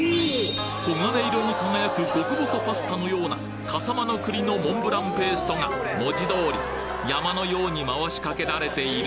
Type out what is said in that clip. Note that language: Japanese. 黄金色に輝く極細パスタのような笠間の栗のモンブランペーストが文字通り山のように回しかけられている